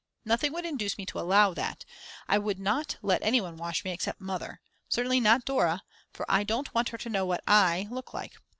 Nothing would induce me to allow that, I would not let anyone wash me, except Mother; certainly not Dora, for I don't want her to know what I look like.